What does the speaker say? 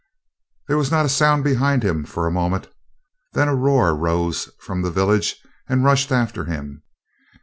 There was not a sound behind him for a moment. Then a roar rose from the village and rushed after him.